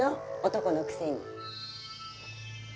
男のくせに。